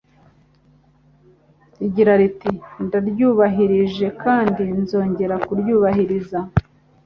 rigira riti: "Ndaryubahirije kandi nzongera kuryubahiriza."